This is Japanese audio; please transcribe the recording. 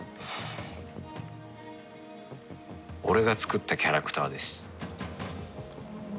俺が作ったキャラクターです。